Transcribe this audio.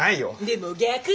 でも逆に？